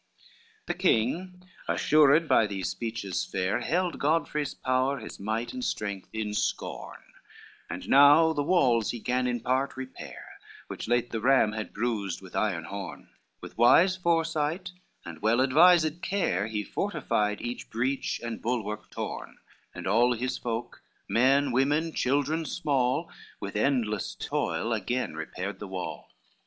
XVI The king assured by these speeches fair, Held Godfrey's power, his might and strength in scorn, And now the walls he gan in part repair, Which late the ram had bruised with iron horn, With wise foresight and well advised care He fortified each breach and bulwark torn, And all his folk, men, women, children small, With endless toil again repaired the wall.